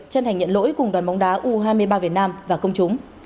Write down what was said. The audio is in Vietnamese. chân thành nhận lỗi cùng đoàn bóng đá u hai mươi ba việt nam và công chúng